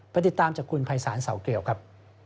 ปฏิติตามจากคุณภัยสารเสาเกลวครับ